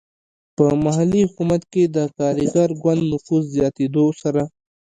په محلي حکومت کې د کارګر ګوند نفوذ زیاتېدو سره.